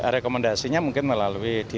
rekomendasinya mungkin melalui dinas arca air